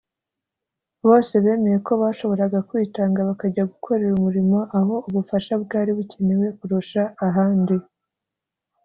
Bose bemeye ko bashoboraga kwitanga bakajya gukorera umurimo aho ubufasha bwari bukenewe kurusha ahandi